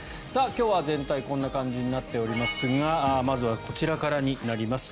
今日は全体こんな感じになっておりますがまずはこちらからになります。